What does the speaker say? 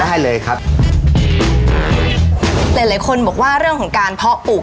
เท่าไรคนบอกว่าเรื่องของการเพาะปลูก